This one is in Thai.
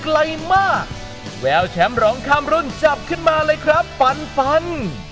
แล้วแชมป์ร้องค่ำรุ่นจับขึ้นมาเลยครับฟันฟัน